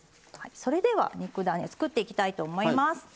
それでは肉だね作っていきたいと思います。